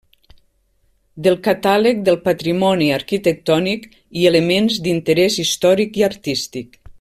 Del catàleg del Patrimoni Arquitectònic i Elements d'Interès Històric i Artístic.